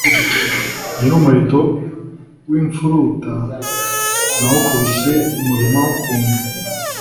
Nyiri umuheto w'imfuruta nawukubise umuhima ku nda